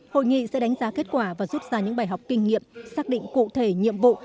hội nghị sẽ đánh giá kết quả và rút ra những bài học kinh nghiệm xác định cụ thể nhiệm vụ